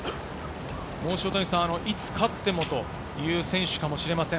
いつ勝ってもという選手かもしれません。